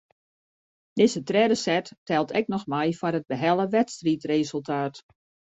Dizze tredde set teld ek noch mei foar it behelle wedstriidresultaat.